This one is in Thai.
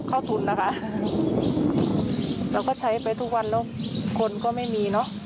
เข้าทุนนะคะเราก็ใช้ไปทุกวันแล้วคนก็ไม่มีเนอะ